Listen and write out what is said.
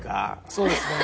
そうですね。